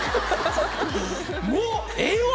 もうええわ！